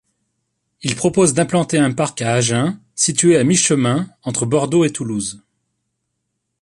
Il propose d'implanter un parc à Agen, situé à mi-chemin entre Bordeaux et Toulouse.